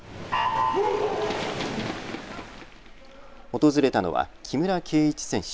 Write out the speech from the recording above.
訪れたのは木村敬一選手。